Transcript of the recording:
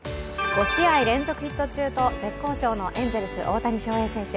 ５試合連続ヒット中と絶好調のエンゼルス・大谷翔平選手。